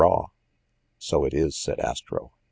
"So it is!" said Astro.